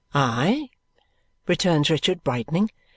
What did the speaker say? "Aye?" returns Richard, brightening.